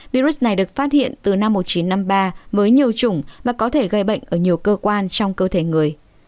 virus này được phát hiện từ năm một nghìn chín trăm năm mươi ba với nhiều chủng và có thể gây bệnh ở nhiều cơ quan trong cơ thể người